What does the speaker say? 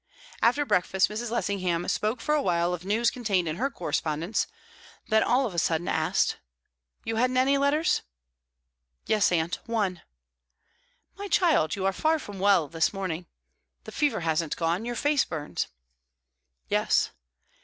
After breakfast Mrs. Lessingham spoke for a while of news contained in her correspondence; then of a sudden asked: "You hadn't any letters?" "Yes, aunt; one." "My child, you are far from well this morning. The fever hasn't gone. Your face burns." "Yes."